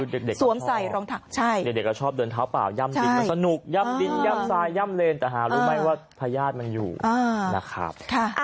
ดูเด็กก็ชอบเดินเท้าปากย่ำติดมันสนุกย่ำติดย่ำซายย่ำเลนแต่หารู้ไหมว่าพญาติมันอยู่นะครับ